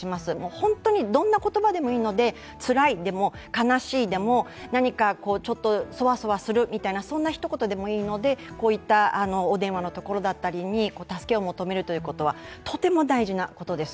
本当に、どんな言葉でもいいので、つらいでも、悲しい、でもそわそわするでもそんなひと言でもいいのでこういったお電話のところだったりに助けを求めることはとても大事なことです。